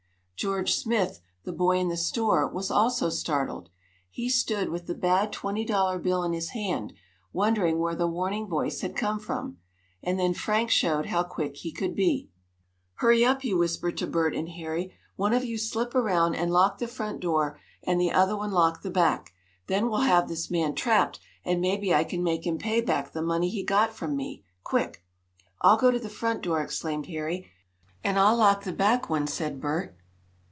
George Smith, the boy in the store, was also startled. He stood with the bad twenty dollar bill in his hand, wondering where the warning voice had come from. And then Frank showed how quick he could be. "Hurry up!" he whispered to Bert and Harry. "One of you slip around and lock the front door, and the other one lock the back. Then we'll have this man trapped, and maybe I can make him pay back the money he got from me. Quick!" "I'll go to the front door!" exclaimed Harry. "And I'll lock the back one!" said Bert.